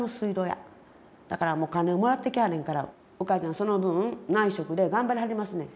だからもうお金をもらってきはれへんからお母ちゃんその分内職で頑張りはりますねん。